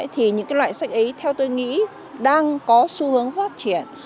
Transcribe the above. thì những loại sách ấy theo tôi nghĩ đang có xu hướng phát triển